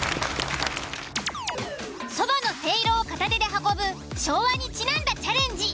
そばのせいろを片手で運ぶ昭和にちなんだチャレンジ。